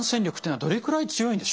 はい。